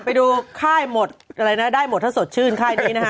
ไปดูค่ายหมดอะไรนะได้หมดถ้าสดชื่นค่ายนี้นะฮะ